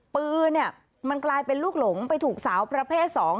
ปืนเนี่ยมันกลายเป็นลูกหลงไปถูกสาวประเภทสอง